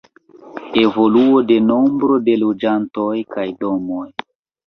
Evoluo de nombro de loĝantoj kaj domoj.